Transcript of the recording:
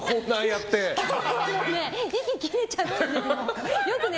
今日はもうね、息切れちゃって。